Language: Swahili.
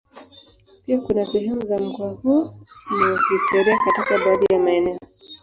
Pia kuna sehemu za mkoa huu ni wa kihistoria katika baadhi ya maeneo.